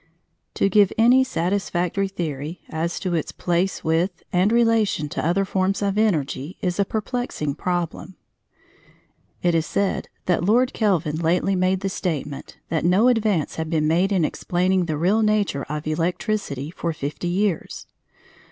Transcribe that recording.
To give any satisfactory theory as to its place with and relation to other forms of energy is a perplexing problem. It is said that Lord Kelvin lately made the statement that no advance had been made in explaining the real nature of electricity for fifty years.